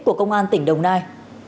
của công an tỉnh đồng nai